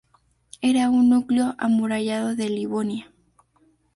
Era un núcleo amurallado de Livonia.